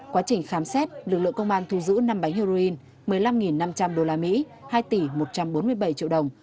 quá trình khám xét lực lượng công an thu giữ năm bánh heroin một mươi năm năm trăm linh usd hai tỷ một trăm bốn mươi bảy triệu đồng